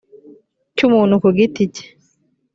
cy umuntu ku giti cye